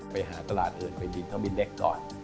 ไปหาตลาดอย่าเอาความบินของเครื่องบินเล็กก่อน